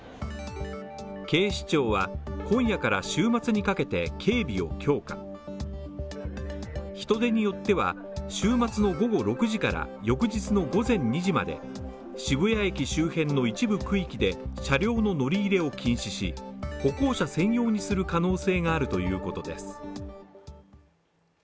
警視庁は今夜から週末にかけて、警備を強化し、人出によっては週末の午後６時から翌日の午前２時まで、渋谷駅周辺の一部区域で、車両の乗り入れを禁止し、歩行者専用にする可能性があるということです。